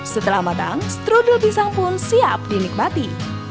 setelah matang strudel pisang pun siap dinikmati